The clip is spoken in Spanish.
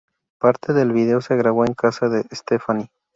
Parte del vídeo se grabó en casa de Stefani.